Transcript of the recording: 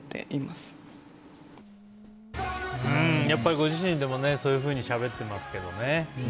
やっぱりご自身でもそういうふうにしゃべってますけどね。